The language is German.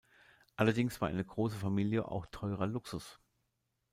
Allerdings war eine große Familie auch teurer Luxus.